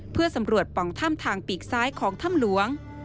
เพื่อสำรวจป่องถ้ำทางปีกซ้ายของถ้ำหลวง